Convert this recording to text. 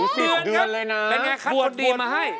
๑๐เดือนครับเป็นยังไงครับอดีตมาให้